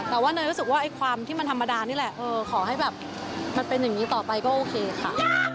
แต่ว่าเนยรู้สึกว่าความที่มันธรรมดานี่แหละขอให้แบบมันเป็นอย่างนี้ต่อไปก็โอเคค่ะ